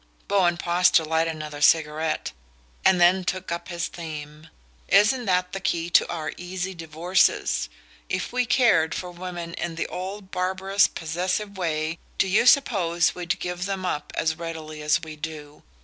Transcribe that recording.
Bowen paused to light another cigarette, and then took up his theme. "Isn't that the key to our easy divorces? If we cared for women in the old barbarous possessive way do you suppose we'd give them up as readily as we do?